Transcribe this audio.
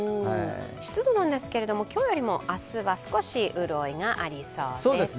湿度ですが、今日よりも明日は少し潤いがありそうです。